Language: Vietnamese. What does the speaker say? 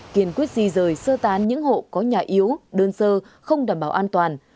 kiên quyết di rời sơ tán những hộ có nhà yếu đơn sơ không đảm bảo an toàn